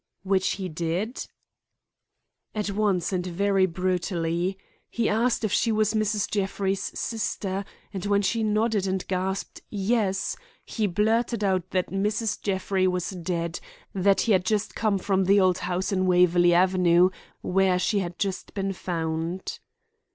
"Which he did?" "At once, and very brutally. He asked if she was Mrs. Jeffrey's sister, and when she nodded and gasped 'Yes,' he blurted out that Mrs. Jeffrey was dead; that he had just come from the old house in Waverley Avenue, where she had just been found."